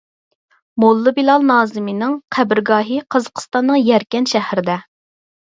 موللا بىلال نازىمىنىڭ قەبرىگاھى قازاقسىتاننىڭ يەركەنت شەھىرىدە.